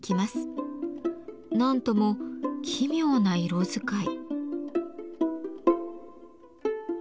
何とも奇妙な色使い。